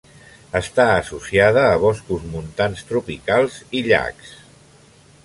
Està associada a boscos montans tropicals i llacs.